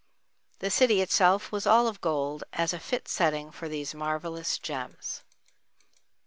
The city itself was all of gold as a fit setting for these marvellous gems.